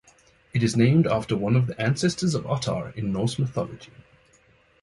It is named after one of the ancestors of Ottar in Norse mythology.